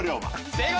正解！